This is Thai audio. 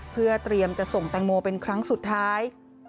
เพื่อเตรียมจะส่งแตงโมเป็นครั้งสุดท้าย